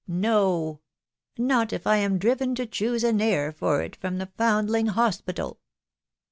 No !...• not if I am driven to choose an heir for it from the Foundling Hospital